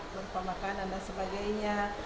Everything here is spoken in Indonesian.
berpemakanan dan sebagainya